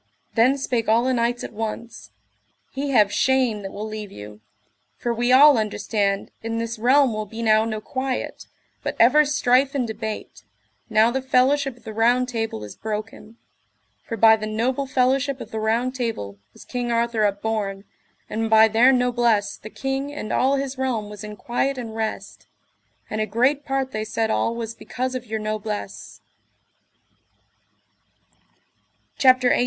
Then spake all the knights at once: He have shame that will leave you; for we all understand in this realm will be now no quiet, but ever strife and debate, now the fellowship of the Round Table is broken; for by the noble fellowship of the Round Table was King Arthur upborne, and by their noblesse the king and all his realm was in quiet and rest, and a great part they said all was because of your noblesse. CHAPTER XVIII.